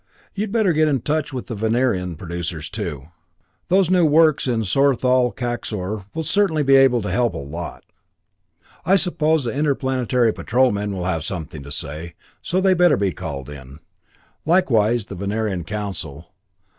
You'd better get in touch with the Venerian producers, too. Those new works in Sorthol, Kaxor, will certainly be able to help a lot. "I suppose the Interplanetary Patrol men will have something to say, so they better be called in. Likewise the Venerian Council.